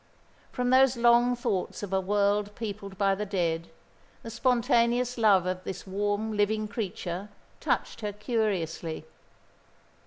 From those long thoughts of a world peopled by the dead, the spontaneous love of this warm, living creature touched her curiously.